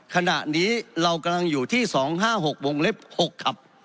ขณะนี้เรากำลังอยู่ที่๒๕๖วงเล็บ๖เขียนมังคับ